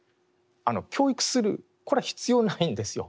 教育するこれは必要ないんですよ。